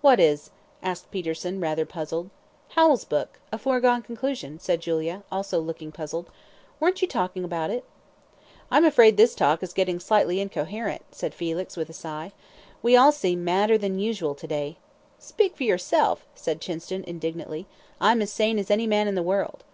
"What is?" asked Peterson, rather puzzled. "Howell's book, 'A Foregone Conclusion,'" said Julia, also looking puzzled. "Weren't you talking about it?" "I'm afraid this talk is getting slightly incoherent," said Felix, with a sigh. "We all seem madder than usual to day." "Speak for yourself," said Chinston, indignantly, "I'm as sane as any man in the world."